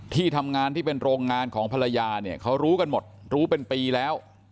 ที่ทำงานที่เป็นโรงงานของภรรยาเนี่ยเขารู้กันหมดรู้เป็นปีแล้ว